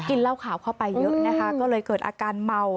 เหล้าขาวเข้าไปเยอะนะคะก็เลยเกิดอาการเมา